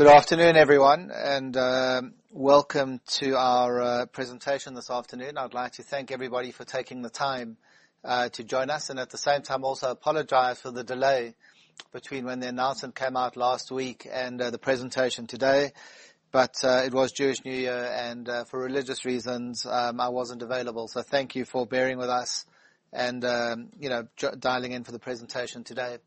Good afternoon, everyone, welcome to our presentation this afternoon. I'd like to thank everybody for taking the time to join us, and at the same time, also apologize for the delay between when the announcement came out last week and the presentation today. It was Jewish New Year, for religious reasons, I wasn't available. Thank you for bearing with us and, you know, dialing in for the presentation today.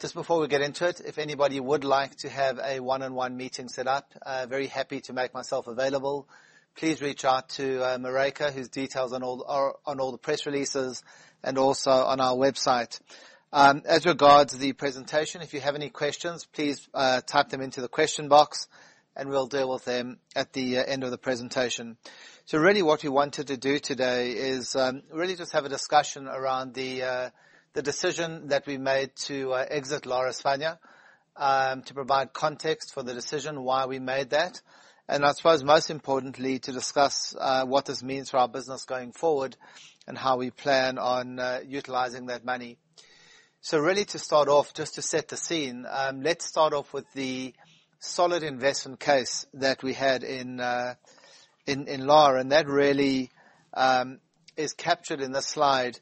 Just before we get into it, if anybody would like to have a one-on-one meeting set up, very happy to make myself available. Please reach out to Marijke, whose details are on all the press releases and also on our website. As regards the presentation, if you have any questions, please type them into the question box, and we'll deal with them at the end of the presentation. Really what we wanted to do today is really just have a discussion around the decision that we made to exit Lar España, to provide context for the decision why we made that, and I suppose most importantly, to discuss what this means for our business going forward and how we plan on utilizing that money. Really to start off, just to set the scene, let's start off with the solid investment case that we had in in Lar, and that really is captured in this slide,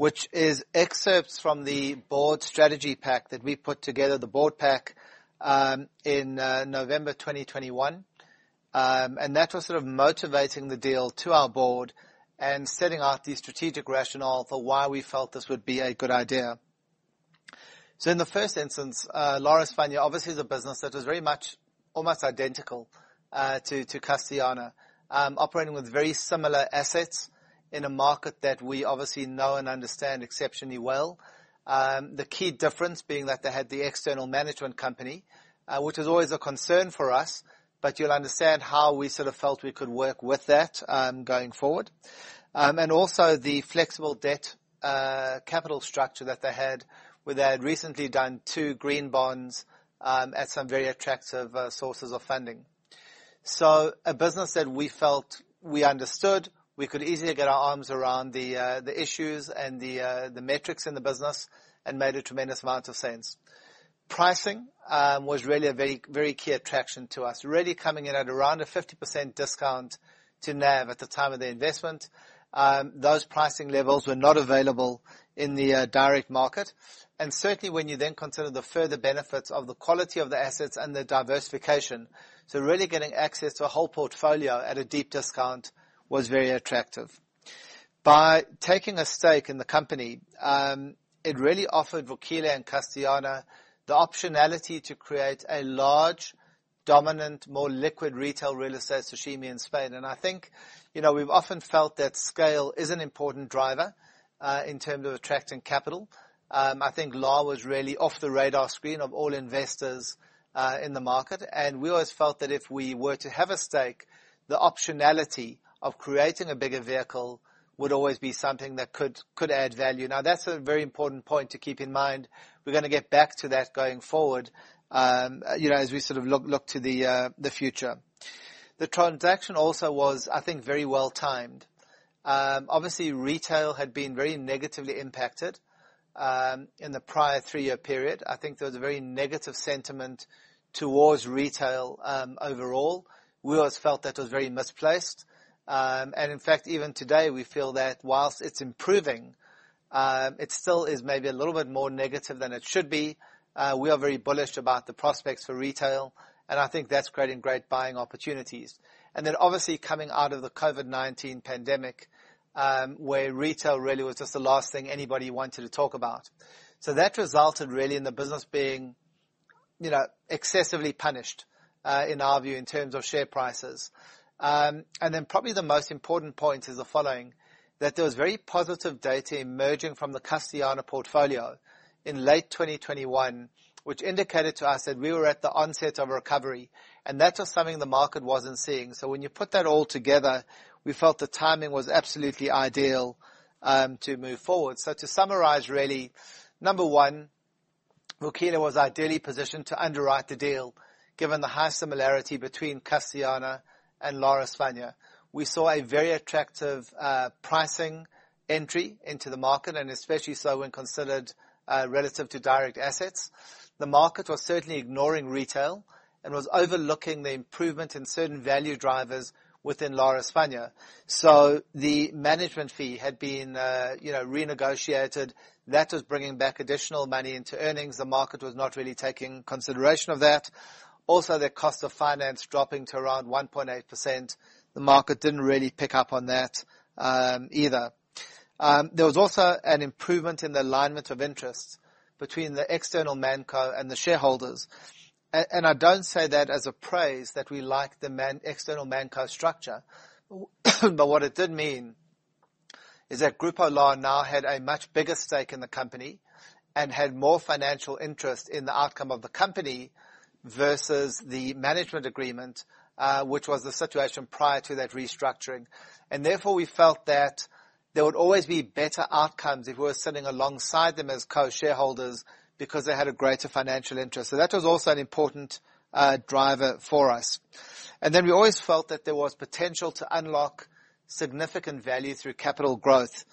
which is excerpts from the board strategy pack that we put together, the board pack, in November 2021. That was sort of motivating the deal to our board and setting out the strategic rationale for why we felt this would be a good idea. In the first instance, Lar España obviously is a business that is very much almost identical to Castellana, operating with very similar assets in a market that we obviously know and understand exceptionally well. The key difference being that they had the external management company, which is always a concern for us, but you'll understand how we sort of felt we could work with that going forward. Also the flexible debt capital structure that they had, where they had recently done two green bonds at some very attractive sources of funding. A business that we felt we understood, we could easily get our arms around the issues and the metrics in the business and made a tremendous amount of sense. Pricing was really a very, very key attraction to us, really coming in at around a 50% discount to NAV at the time of the investment. Those pricing levels were not available in the direct market. Certainly when you then consider the further benefits of the quality of the assets and the diversification, really getting access to a whole portfolio at a deep discount was very attractive. By taking a stake in the company, it really offered Vukile and Castellana the optionality to create a large, dominant, more liquid retail real estate SOCIMI in Spain. I think, you know, we've often felt that scale is an important driver in terms of attracting capital. I think Lar was really off the radar screen of all investors in the market. We always felt that if we were to have a stake, the optionality of creating a bigger vehicle would always be something that could add value. That's a very important point to keep in mind. We're gonna get back to that going forward, you know, as we sort of look to the future. The transaction also was, I think, very well timed. Obviously, retail had been very negatively impacted in the prior three-year period. I think there was a very negative sentiment towards retail overall. We always felt that was very misplaced. In fact, even today, we feel that whilst it's improving, it still is maybe a little bit more negative than it should be. We are very bullish about the prospects for retail, and I think that's creating great buying opportunities. Obviously coming out of the COVID-19 pandemic, where retail really was just the last thing anybody wanted to talk about. That resulted really in the business being, you know, excessively punished, in our view, in terms of share prices. Probably the most important point is the following, that there was very positive data emerging from the Castellana portfolio in late 2021, which indicated to us that we were at the onset of a recovery, and that was something the market wasn't seeing. When you put that all together, we felt the timing was absolutely ideal to move forward. To summarize, really, number one, Vukile was ideally positioned to underwrite the deal, given the high similarity between Castellana Properties and Lar España. We saw a very attractive pricing entry into the market, and especially so when considered relative to direct assets. The market was certainly ignoring retail and was overlooking the improvement in certain value drivers within Lar España. The management fee had been, you know, renegotiated. That was bringing back additional money into earnings. The market was not really taking consideration of that. Also, the cost of finance dropping to around 1.8%. The market didn't really pick up on that either. There was also an improvement in the alignment of interests between the external ManCo and the shareholders. I don't say that as a praise that we like the external ManCo structure, but what it did mean is that Grupo Lar now had a much bigger stake in the company and had more financial interest in the outcome of the company versus the management agreement, which was the situation prior to that restructuring. Therefore, we felt that there would always be better outcomes if we were sitting alongside them as co-shareholders because they had a greater financial interest. That was also an important driver for us. Then we always felt that there was potential to unlock significant value through capital growth.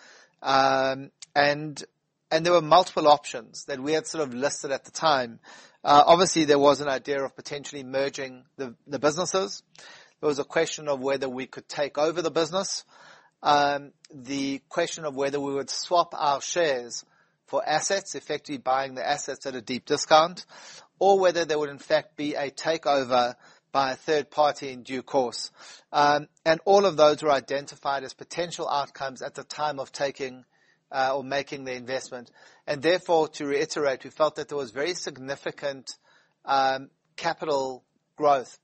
And there were multiple options that we had sort of listed at the time. Obviously, there was an idea of potentially merging the businesses. There was a question of whether we could take over the business, the question of whether we would swap our shares for assets, effectively buying the assets at a deep discount, or whether there would in fact be a takeover by a third party in due course. All of those were identified as potential outcomes at the time of taking or making the investment. Therefore, to reiterate, we felt that there was very significant capital growth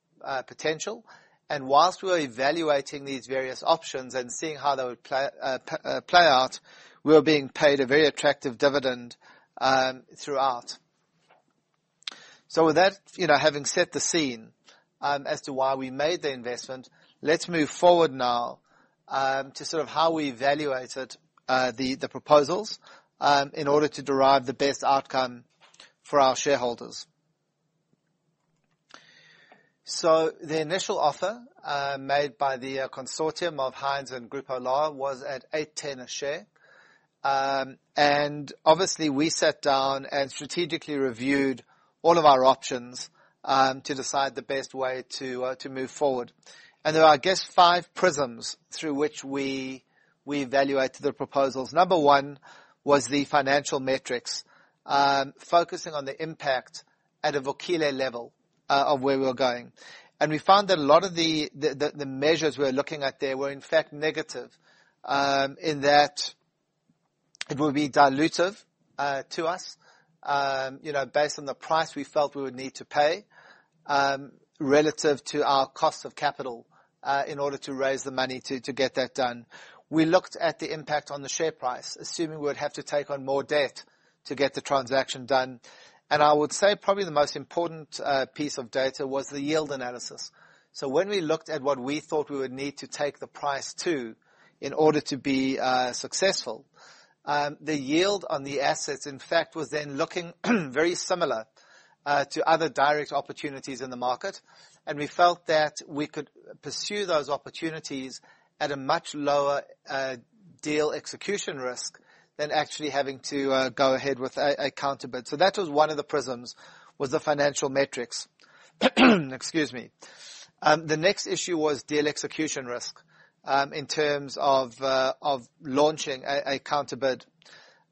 potential. Whilst we were evaluating these various options and seeing how they would play out, we were being paid a very attractive dividend throughout. With that, you know, having set the scene, as to why we made the investment, let's move forward now, to sort of how we evaluated the proposals, in order to derive the best outcome for our shareholders. The initial offer made by the consortium of Hines and Grupo Lar was at 8.10 a share. Obviously we sat down and strategically reviewed all of our options, to decide the best way to move forward. There are, I guess, five prisms through which we evaluated the proposals. Number 1 was the financial metrics, focusing on the impact at a Vukile level of where we were going. We found that a lot of the measures we were looking at there were in fact negative, in that it would be dilutive to us, you know, based on the price we felt we would need to pay, relative to our cost of capital, in order to raise the money to get that done. We looked at the impact on the share price, assuming we would have to take on more debt to get the transaction done. I would say probably the most important piece of data was the yield analysis. When we looked at what we thought we would need to take the price to in order to be successful, the yield on the assets, in fact, was then looking very similar to other direct opportunities in the market. We felt that we could pursue those opportunities at a much lower, deal execution risk than actually having to, go ahead with a counter bid. That was one of the prisms, was the financial metrics. Excuse me. The next issue was deal execution risk, in terms of launching a counter bid.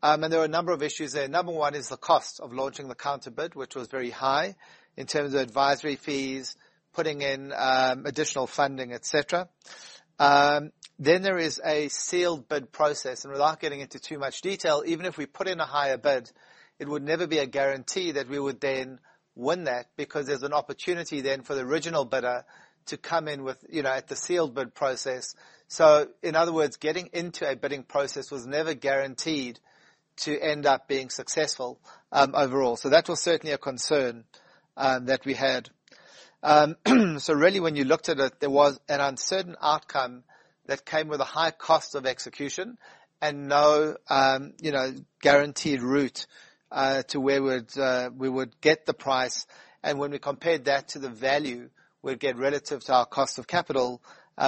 There were a number of issues there. Number one is the cost of launching the counter bid, which was very high in terms of advisory fees, putting in, additional funding, et cetera. There is a sealed bid process, and without getting into too much detail, even if we put in a higher bid, it would never be a guarantee that we would then win that because there's an opportunity then for the original bidder to come in with, you know, at the sealed bid process. In other words, getting into a bidding process was never guaranteed to end up being successful overall. That was certainly a concern that we had. Really when you looked at it, there was an uncertain outcome that came with a high cost of execution and no, you know, guaranteed route to where we'd we would get the price. When we compared that to the value we'd get relative to our cost of capital,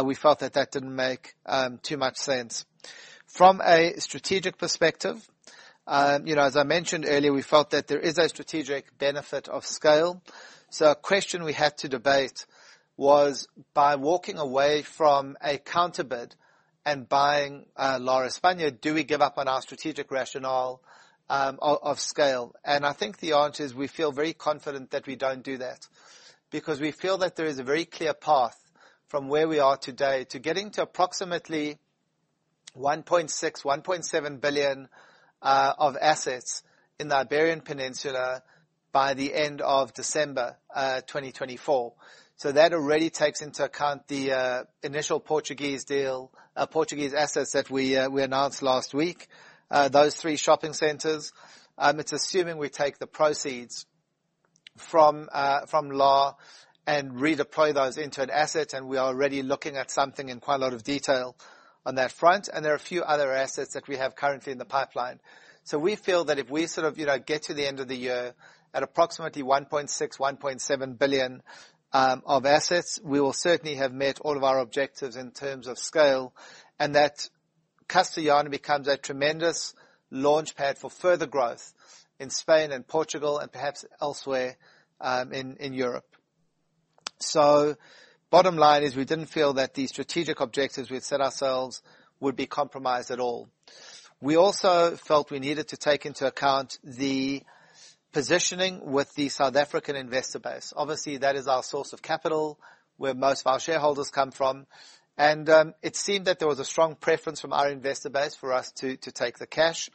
we felt that that didn't make too much sense. From a strategic perspective, you know, as I mentioned earlier, we felt that there is a strategic benefit of scale. A question we had to debate was, by walking away from a counter bid and buying, Lar España, do we give up on our strategic rationale, of scale? I think the answer is we feel very confident that we don't do that because we feel that there is a very clear path from where we are today to getting to approximately 1.6 billion-1.7 billion of assets in the Iberian Peninsula by the end of December 2024. That already takes into account the initial Portuguese deal, Portuguese assets that we announced last week, those three shopping centers. It's assuming we take the proceeds from Lar and redeploy those into an asset, we are already looking at something in quite a lot of detail on that front. There are a few other assets that we have currently in the pipeline. We feel that if we sort of, you know, get to the end of the year at approximately 1.6 billion-1.7 billion of assets, we will certainly have met all of our objectives in terms of scale, and that Castellana becomes a tremendous launchpad for further growth in Spain and Portugal and perhaps elsewhere in Europe. Bottom line is we didn't feel that the strategic objectives we'd set ourselves would be compromised at all. We also felt we needed to take into account the positioning with the South African investor base. Obviously, that is our source of capital, where most of our shareholders come from. It seemed that there was a strong preference from our investor base for us to take the cash.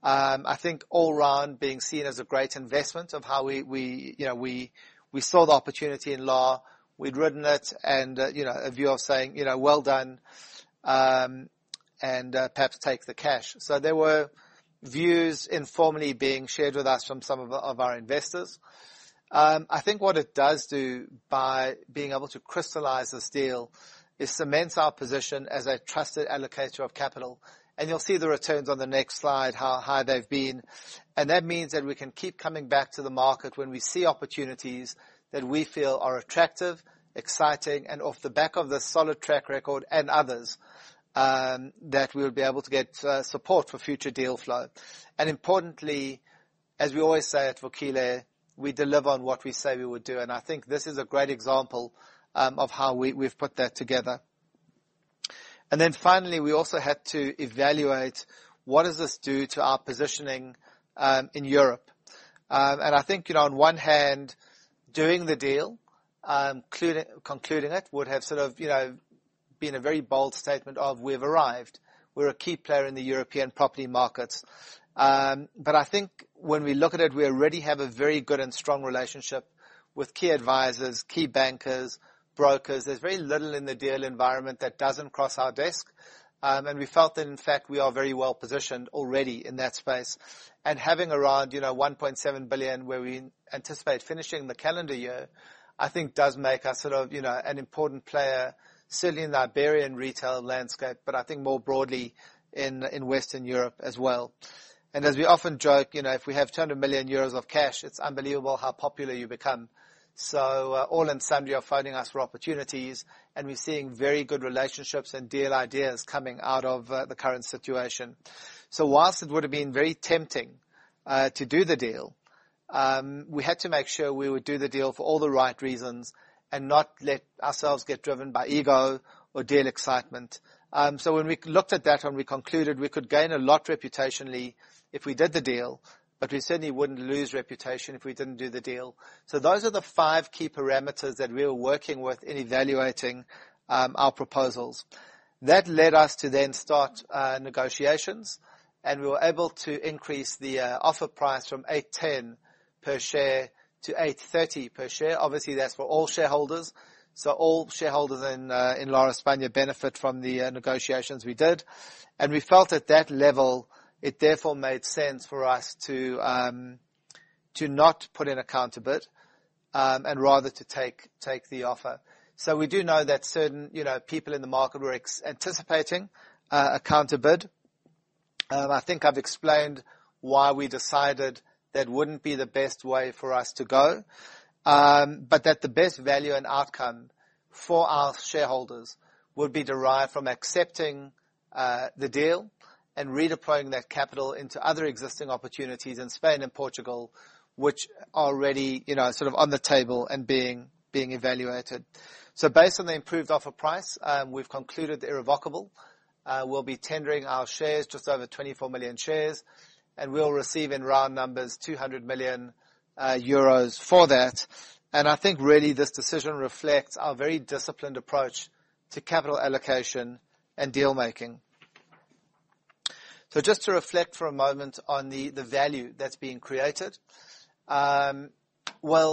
I think all around being seen as a great investment of how we, you know, we saw the opportunity in Lar, we'd ridden it, and, you know, a view of saying, you know, well done, and perhaps take the cash. There were views informally being shared with us from some of our investors. I think what it does do by being able to crystallize this deal. It cements our position as a trusted allocator of capital, and you'll see the returns on the next slide, how high they've been. That means that we can keep coming back to the market when we see opportunities that we feel are attractive, exciting, off the back of the solid track record and others, that we'll be able to get support for future deal flow. Importantly, as we always say at Vukile, we deliver on what we say we would do. I think this is a great example of how we've put that together. Finally, we also had to evaluate what does this do to our positioning in Europe. I think, you know, on one hand, doing the deal, concluding it, would have sort of, you know, been a very bold statement of we've arrived. We're a key player in the European property markets. I think when we look at it, we already have a very good and strong relationship with key advisors, key bankers, brokers. There's very little in the deal environment that doesn't cross our desk. We felt that, in fact, we are very well-positioned already in that space. Having around, you know, 1.7 billion where we anticipate finishing the calendar year, I think does make us sort of, you know, an important player, certainly in the Iberian retail landscape, but I think more broadly in Western Europe as well. As we often joke, you know, if we have 200 million euros of cash, it's unbelievable how popular you become. All in sum, you're finding us for opportunities, and we're seeing very good relationships and deal ideas coming out of the current situation. Whilst it would have been very tempting to do the deal, we had to make sure we would do the deal for all the right reasons and not let ourselves get driven by ego or deal excitement. When we looked at that and we concluded we could gain a lot reputationally if we did the deal, but we certainly wouldn't lose reputation if we didn't do the deal. Those are the five key parameters that we were working with in evaluating our proposals. That led us to then start negotiations, and we were able to increase the offer price from 810 per share to 830 per share. Obviously, that's for all shareholders. All shareholders in Lar España benefit from the negotiations we did. We felt at that level, it therefore made sense for us to not put in a counter bid and rather to take the offer. We do know that certain, you know, people in the market were anticipating a counter bid. I think I've explained why we decided that wouldn't be the best way for us to go. But that the best value and outcome for our shareholders would be derived from accepting the deal and redeploying that capital into other existing opportunities in Spain and Portugal, which are already, you know, sort of on the table and being evaluated. Based on the improved offer price, we've concluded the irrevocable. We'll be tendering our shares, just over 24 million shares, and we'll receive in round numbers 200 million euros for that. I think really this decision reflects our very disciplined approach to capital allocation and deal-making. Well,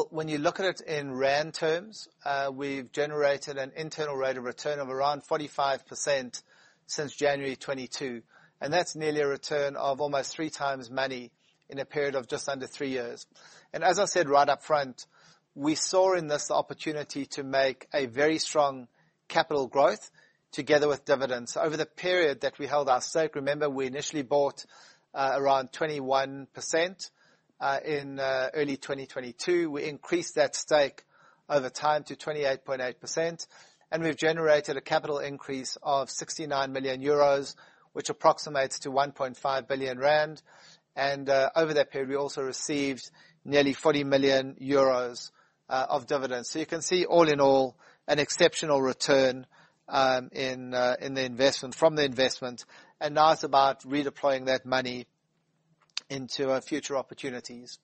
when you look at it in rand terms, we've generated an internal rate of return of around 45% since January 2022, and that's nearly a return of almost 3x money in a period of just under three years. As I said right up front, we saw in this opportunity to make a very strong capital growth together with dividends. Over the period that we held our stake, remember, we initially bought, around 21%, in early 2022. We increased that stake over time to 28.8%, and we've generated a capital increase of 69 million euros, which approximates to 1.5 billion rand. Over that period, we also received nearly 40 million euros of dividends. You can see all in all, an exceptional return in the investment, from the investment. Now it's about redeploying that money into future opportunities.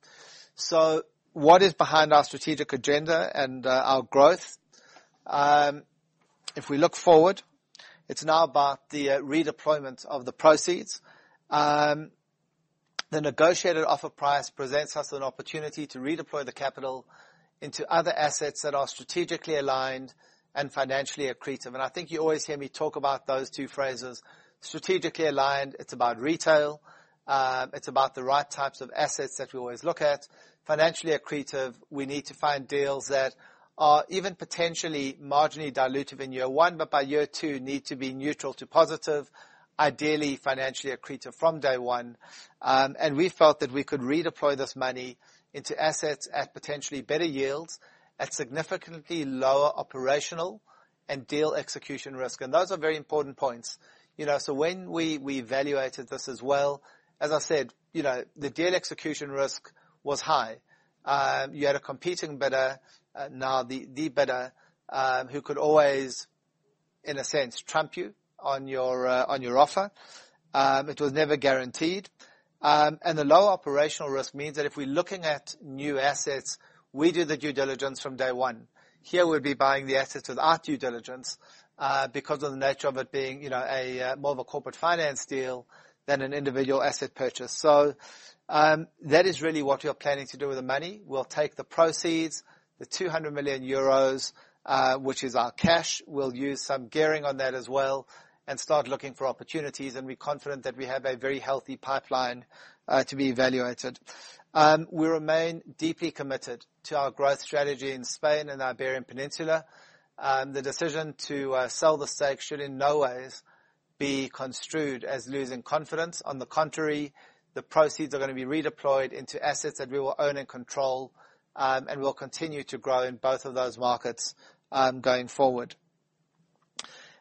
What is behind our strategic agenda and our growth? If we look forward, it's now about the redeployment of the proceeds. The negotiated offer price presents us an opportunity to redeploy the capital into other assets that are strategically aligned and financially accretive. I think you always hear me talk about those two phrases. Strategically aligned, it's about retail. It's about the right types of assets that we always look at. Financially accretive, we need to find deals that are even potentially marginally dilutive in year 1, but by year 2, need to be neutral to positive, ideally, financially accretive from day 1. We felt that we could redeploy this money into assets at potentially better yields at significantly lower operational and deal execution risk. Those are very important points. You know, so when we evaluated this as well, as I said, you know, the deal execution risk was high. You had a competing bidder, now the bidder, who could always, in a sense, trump you on your offer. It was never guaranteed. The low operational risk means that if we're looking at new assets, we do the due diligence from day 1. Here, we'd be buying the assets with our due diligence, because of the nature of it being, you know, more of a corporate finance deal than an individual asset purchase. That is really what we're planning to do with the money. We'll take the proceeds, the 200 million euros, which is our cash. We'll use some gearing on that as well and start looking for opportunities, and we're confident that we have a very healthy pipeline to be evaluated. We remain deeply committed to our growth strategy in Spain and the Iberian Peninsula. The decision to sell the stake should in no ways be construed as losing confidence. On the contrary, the proceeds are gonna be redeployed into assets that we will own and control, and will continue to grow in both of those markets going forward.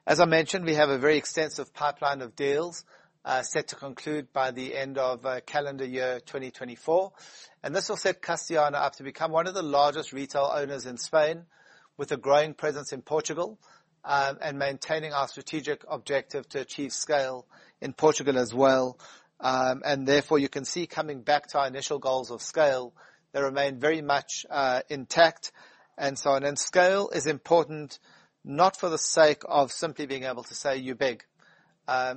As I mentioned, we have a very extensive pipeline of deals, set to conclude by the end of calendar year 2024. This will set Castellana up to become one of the largest retail owners in Spain with a growing presence in Portugal, maintaining our strategic objective to achieve scale in Portugal as well. Therefore, you can see coming back to our initial goals of scale, they remain very much intact and so on. Scale is important, not for the sake of simply being able to say you're big.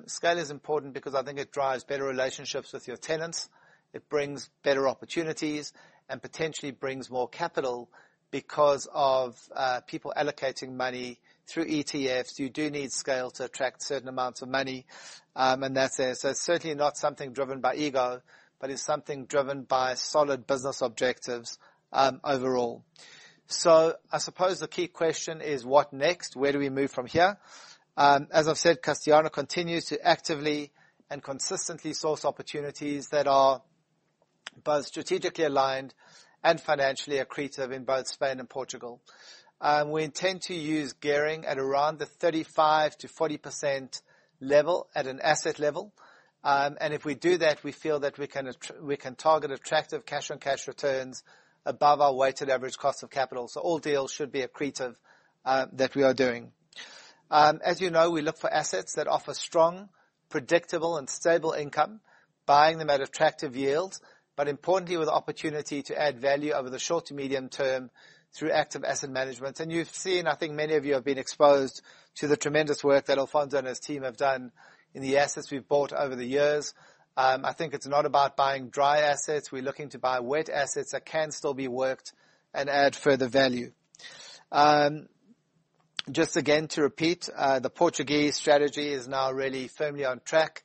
Scale is important because I think it drives better relationships with your tenants. It brings better opportunities and potentially brings more capital because of people allocating money through ETFs. You do need scale to attract certain amounts of money. That's it. It's certainly not something driven by ego, but it's something driven by solid business objectives, overall. I suppose the key question is what next? Where do we move from here? As I've said, Castellana continues to actively and consistently source opportunities that are both strategically aligned and financially accretive in both Spain and Portugal. We intend to use gearing at around the 35%-40% level at an asset level. And if we do that, we feel that we can target attractive cash-on-cash returns above our weighted average cost of capital. All deals should be accretive that we are doing. As you know, we look for assets that offer strong, predictable, and stable income, buying them at attractive yields, but importantly, with the opportunity to add value over the short to medium term through active asset management. You've seen, I think many of you have been exposed to the tremendous work that Alfonso and his team have done in the assets we've bought over the years. I think it's not about buying dry assets. We're looking to buy wet assets that can still be worked and add further value. Just again to repeat, the Portuguese strategy is now really firmly on track.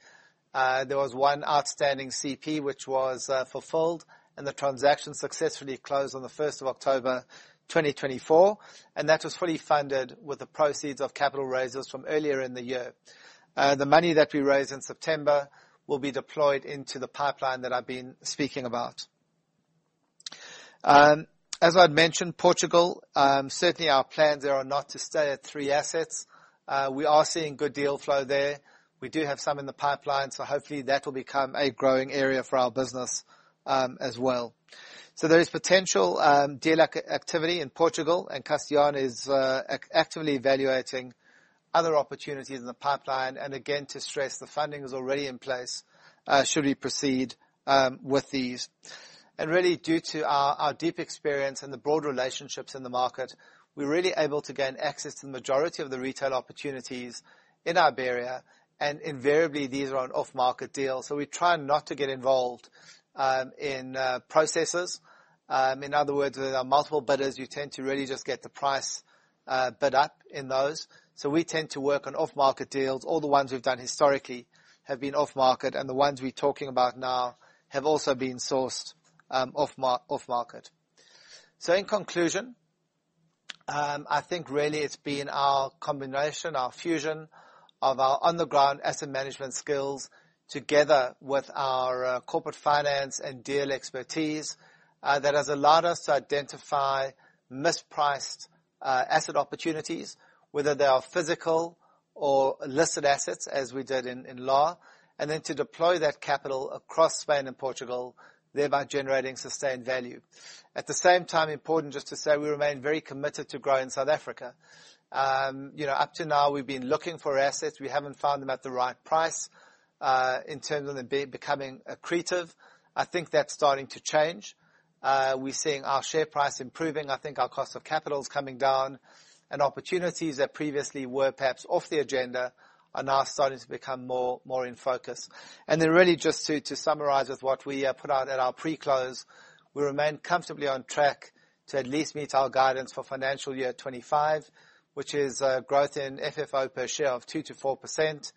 There was one outstanding CP which was fulfilled, and the transaction successfully closed on the first of October, 2024, and that was fully funded with the proceeds of capital raises from earlier in the year. The money that we raised in September will be deployed into the pipeline that I've been speaking about. As I'd mentioned, Portugal, certainly our plans there are not to stay at three assets. We are seeing good deal flow there. We do have some in the pipeline, hopefully, that will become a growing area for our business as well. There is potential deal activity in Portugal and Castellana is actively evaluating other opportunities in the pipeline. Again, to stress, the funding is already in place, should we proceed with these. Really due to our deep experience and the broad relationships in the market, we're really able to gain access to the majority of the retail opportunities in Iberia, and invariably, these are on off-market deals. We try not to get involved in processes. In other words, there are multiple bidders. You tend to really just get the price bid up in those. We tend to work on off-market deals. All the ones we've done historically have been off-market, and the ones we're talking about now have also been sourced off market. In conclusion, I think really it's been our combination, our fusion of our on-the-ground asset management skills together with our corporate finance and deal expertise that has allowed us to identify mispriced asset opportunities, whether they are physical or listed assets as we did in LAR, and then to deploy that capital across Spain and Portugal, thereby generating sustained value. At the same time, important just to say we remain very committed to grow in South Africa. You know, up to now, we've been looking for assets. We haven't found them at the right price in terms of them becoming accretive. I think that's starting to change. We're seeing our share price improving. I think our cost of capital is coming down, and opportunities that previously were perhaps off the agenda are now starting to become more in focus. Really just to summarize with what we put out at our pre-close, we remain comfortably on track to at least meet our guidance for financial year 25, which is growth in FFO per share of 2%-4%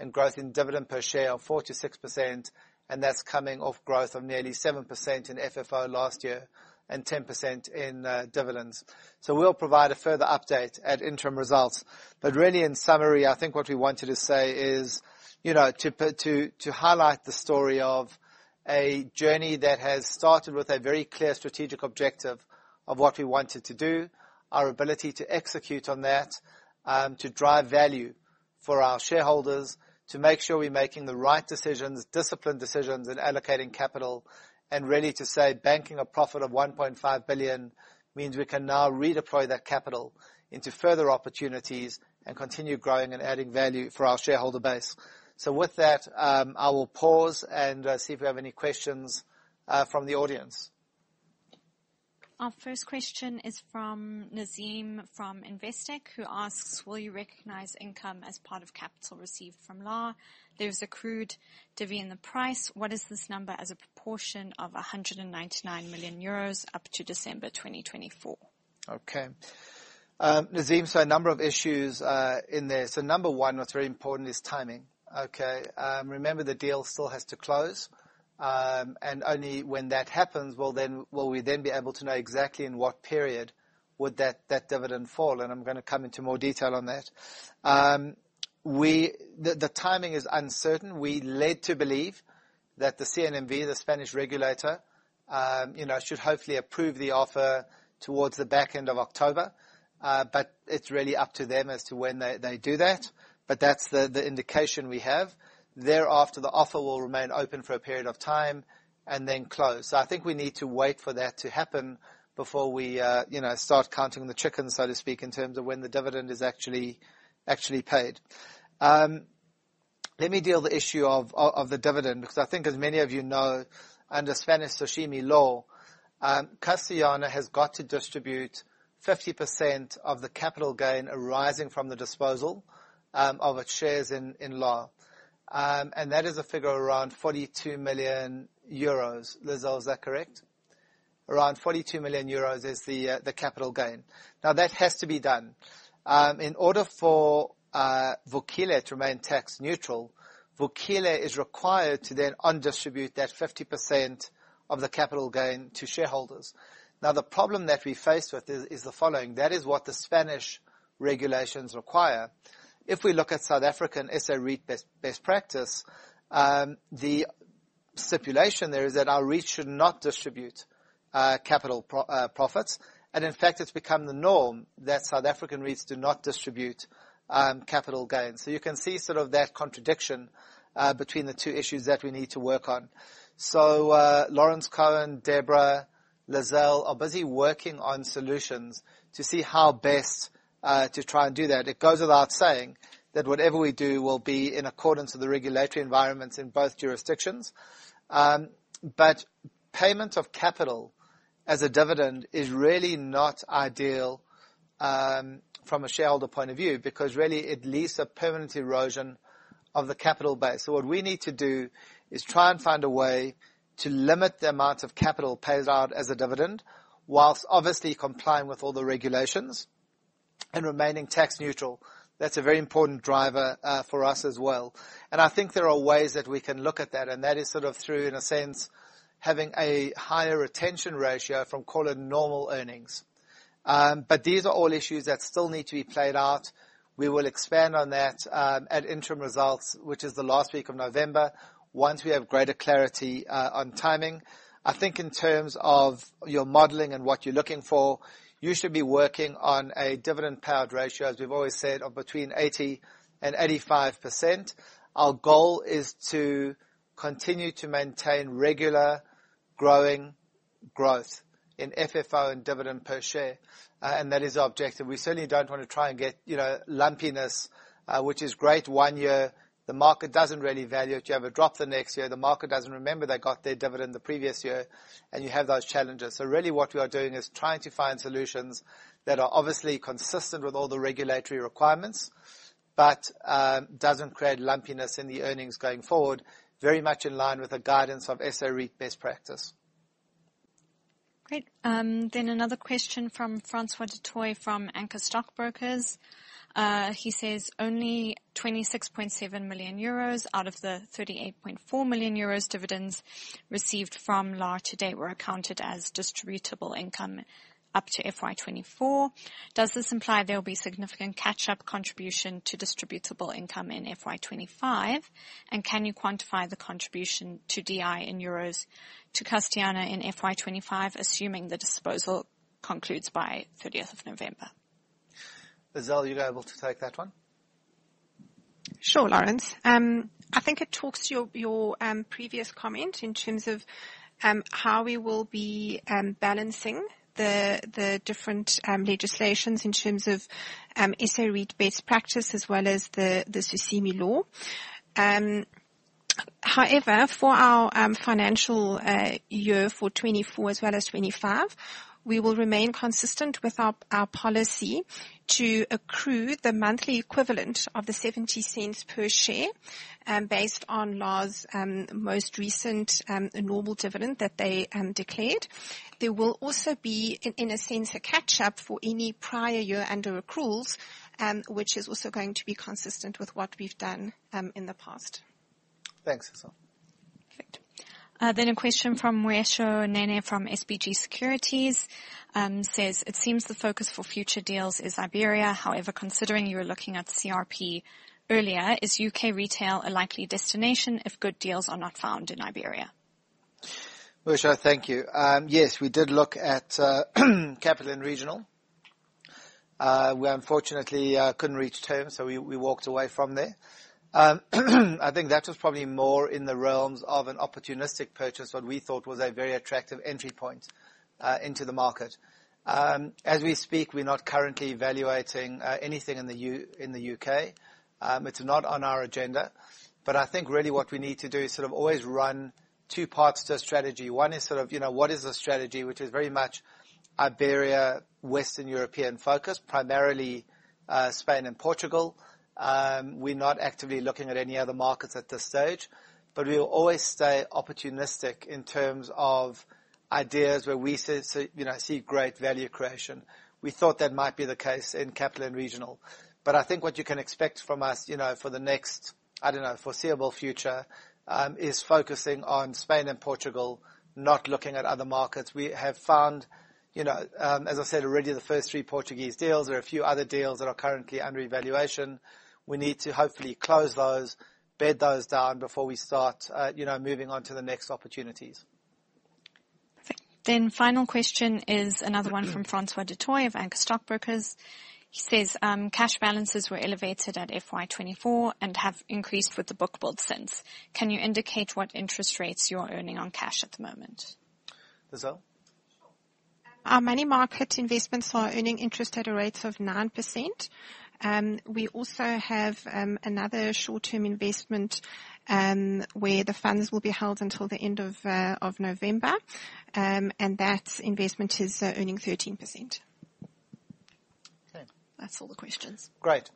and growth in dividend per share of 4%-6%, and that's coming off growth of nearly 7% in FFO last year and 10% in dividends. We'll provide a further update at interim results. Really, in summary, I think what we wanted to say is, you know, to highlight the story of a journey that has started with a very clear strategic objective of what we wanted to do, our ability to execute on that, to drive value for our shareholders, to make sure we're making the right decisions, disciplined decisions in allocating capital, and really to say banking a profit of 1.5 billion means we can now redeploy that capital into further opportunities and continue growing and adding value for our shareholder base. With that, I will pause and see if we have any questions from the audience. Our first question is from Nazeem, from Investec, who asks, "Will you recognize income as part of capital received from LAR? There's accrued divi in the price. What is this number as a proportion of 199 million euros up to December 2024? Nazeem, a number of issues in there. What's very important is timing. Remember the deal still has to close. Only when that happens will we then be able to know exactly in what period would that dividend fall, and I'm gonna come into more detail on that. The timing is uncertain. We're led to believe that the CNMV, the Spanish regulator, you know, should hopefully approve the offer towards the back end of October. It's really up to them as to when they do that. That's the indication we have. Thereafter, the offer will remain open for a period of time and then close. I think we need to wait for that to happen before we, you know, start counting the chickens, so to speak, in terms of when the dividend is actually paid. Let me deal with the issue of the dividend, because I think, as many of you know, under Spanish SOCIMI law, Castellana has got to distribute 50% of the capital gain arising from the disposal of its shares in LAR. And that is a figure around 42 million euros. Lizelle, is that correct? Around 42 million euros is the capital gain. That has to be done. In order for Vukile to remain tax neutral, Vukile is required to then undistribute that 50% of the capital gain to shareholders. Now, the problem that we face with is the following: That is what the Spanish regulations require. If we look at South African SA REIT Best Practice, the stipulation there is that our REIT should not distribute capital profits. In fact, it's become the norm that South African REITs do not distribute capital gains. You can see sort of that contradiction between the two issues that we need to work on. Laurence Cohen, Debora, Lizelle are busy working on solutions to see how best to try and do that. It goes without saying that whatever we do will be in accordance with the regulatory environments in both jurisdictions. Payment of capital as a dividend is really not ideal from a shareholder point of view, because really it leaves a permanent erosion of the capital base. What we need to do is try and find a way to limit the amount of capital paid out as a dividend, whilst obviously complying with all the regulations and remaining tax neutral. That's a very important driver for us as well. I think there are ways that we can look at that, and that is sort of through, in a sense, having a higher retention ratio from, call it, normal earnings. These are all issues that still need to be played out. We will expand on that at interim results, which is the last week of November, once we have greater clarity on timing. I think in terms of your modeling and what you're looking for, you should be working on a dividend payout ratio, as we've always said, of between 80% and 85%. Our goal is to continue to maintain regular growing growth in FFO and dividend per share. That is our objective. We certainly don't wanna try and get, you know, lumpiness, which is great one year. The market doesn't really value it. You have a drop the next year, the market doesn't remember they got their dividend the previous year. You have those challenges. Really what we are doing is trying to find solutions that are obviously consistent with all the regulatory requirements, but doesn't create lumpiness in the earnings going forward, very much in line with the guidance of SA REIT Best Practice. Great. Another question from Francois du Toit from Anchor Stockbrokers. He says, "Only 26.7 million euros out of the 38.4 million euros dividends received from LAR to date were accounted as distributable income up to FY 2024. Does this imply there will be significant catch-up contribution to distributable income in FY 2025? Can you quantify the contribution to DI in EUR to Castellana in FY 2025, assuming the disposal concludes by 30th of November? Lizelle, are you able to take that one? Sure, Laurence. I think it talks to your previous comment in terms of how we will be balancing the different legislations in terms of SA REIT Best Practice as well as the SOCIMI law. However, for our financial year for 2024 as well as 2025, we will remain consistent with our policy to accrue the monthly equivalent of 0.70 per share, based on Lar's most recent normal dividend that they declared. There will also be in a sense a catch-up for any prior year under accruals, which is also going to be consistent with what we've done in the past. Thanks, Lizelle. Perfect. A question from Mweishö Nene from SBG Securities says, "It seems the focus for future deals is Iberia. However, considering you were looking at CRP earlier, is U.K. retail a likely destination if good deals are not found in Iberia? Mweishö, thank you. Yes, we did look at Capital & Regional. We unfortunately couldn't reach terms, we walked away from there. I think that was probably more in the realms of an opportunistic purchase, what we thought was a very attractive entry point into the market. As we speak, we're not currently evaluating anything in the U.K. It's not on our agenda. I think really what we need to do is sort of always run two parts to a strategy. One is sort of, you know, what is the strategy, which is very much Iberia, Western European focused, primarily Spain and Portugal. We're not actively looking at any other markets at this stage, but we will always stay opportunistic in terms of ideas where we, you know, see great value creation. We thought that might be the case in Capital & Regional. I think what you can expect from us, you know, for the next, I don't know, foreseeable future, is focusing on Spain and Portugal, not looking at other markets. We have found, you know, as I said already, the first three Portuguese deals. There are a few other deals that are currently under evaluation. We need to hopefully close those, bed those down before we start, you know, moving on to the next opportunities. Final question is another one from Francois du Toit of Anchor Stockbrokers. He says, "Cash balances were elevated at FY 2024 and have increased with the bookbuild since. Can you indicate what interest rates you're earning on cash at the moment? Lizelle? Sure. Our money market investments are earning interest at a rate of 9%. We also have another short-term investment where the funds will be held until the end of November. That investment is earning 13%. Okay. That's all the questions. Great.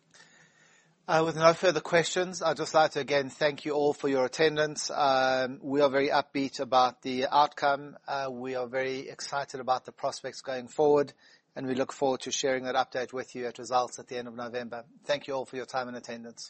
With no further questions, I'd just like to again thank you all for your attendance. We are very upbeat about the outcome. We are very excited about the prospects going forward, and we look forward to sharing that update with you at results at the end of November. Thank you all for your time and attendance.